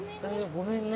ごめんね。